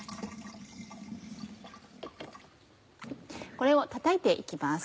これをたたいて行きます。